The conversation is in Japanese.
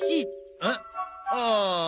えっ？ああ。